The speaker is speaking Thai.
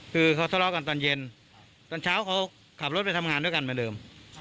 คือเขาทะเลาะกันตอนเย็นตอนเช้าเขาขับรถไปทำงานด้วยกันเหมือนเดิม